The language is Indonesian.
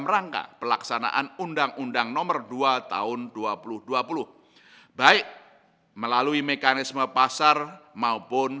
rangka pelaksanaan undang undang nomor dua tahun dua ribu dua puluh baik melalui mekanisme pasar maupun